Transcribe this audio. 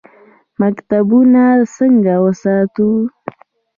مکتبونه څنګه وساتو؟